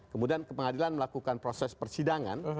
kemudian ke pengadilan melakukan proses persidangan